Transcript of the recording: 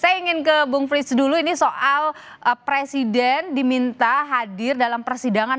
saya ingin ke bung frits dulu ini soal presiden diminta hadir dalam persidangan